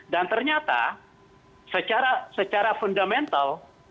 dan ternyata secara fundamental